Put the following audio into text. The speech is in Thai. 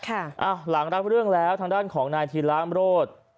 อ้าวหลังราบเรื่องแล้วทางด้านของนายที่ร้านรถ